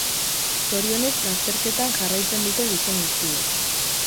Zorionez lasterketan jarraitzen dute gizon guztiek.